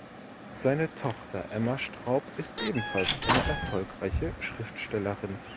Seine Tochter Emma Straub ist ebenfalls eine erfolgreiche Schriftstellerin.